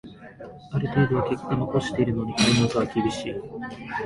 ある程度は結果残してるのに解任とは厳しい